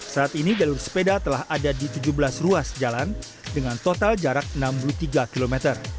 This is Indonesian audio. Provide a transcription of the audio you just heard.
saat ini jalur sepeda telah ada di tujuh belas ruas jalan dengan total jarak enam puluh tiga km